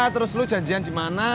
terus lu janjian gimana